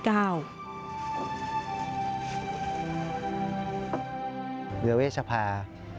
เรือเวชภา